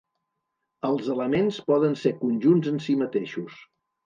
Els elements poden ser conjunts en si mateixos.